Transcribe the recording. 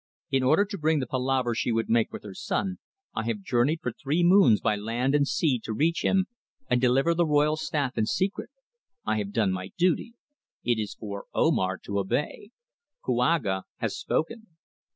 In order to bring the palaver she would make with her son I have journeyed for three moons by land and sea to reach him and deliver the royal staff in secret. I have done my duty. It is for Omar to obey. Kouaga has spoken."